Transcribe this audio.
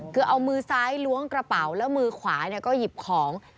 คือเอามือซ้ายล้วงกระเป๋าแล้วมือขวาก็หยิบของ